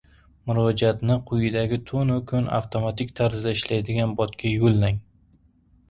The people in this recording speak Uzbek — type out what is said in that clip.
Murojaatni quyidagi tunu kun avtomatik tarzda ishlaydigan botga yoʻllang.